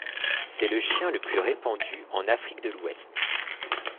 C'est le chien le plus répandu en Afrique de l'Ouest.